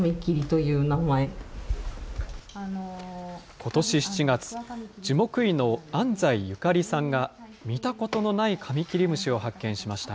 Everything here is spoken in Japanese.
ことし７月、樹木医の安齋由香理さんが見たことのないカミキリムシを発見しました。